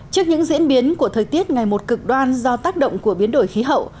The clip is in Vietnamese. trước những diễn biến của thời tiết ngày một cực đoan do tác động của biến đổi khí hậu